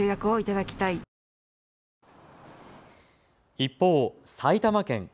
一方、埼玉県。